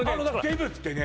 デブってね